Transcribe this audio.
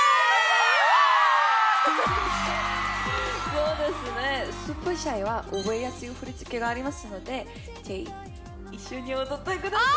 そうですね「ＳｕｐｅｒＳｈｙ」は覚えやすい振り付けがありますので是非一緒に踊ってください！